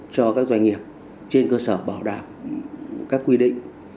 cho các doanh nghiệp trên cơ sở bảo đảm các quy định